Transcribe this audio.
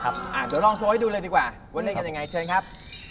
เดี๋ยวลองโชว์ให้ดูเลยดีกว่าว่าเล่นกันยังไงเชิญครับ